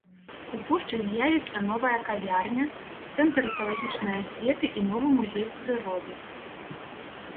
У пушчы з'явіцца новая кавярня, цэнтр экалагічнай асветы і новы музей прыроды.